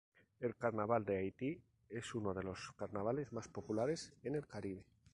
El Carnaval de Haití es uno de los carnavales más populares en el Caribe.